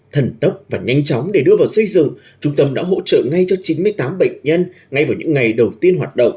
thần tốc và nhanh chóng để đưa vào xây dựng trung tâm đã hỗ trợ ngay cho chín mươi tám bệnh nhân ngay vào những ngày đầu tiên hoạt động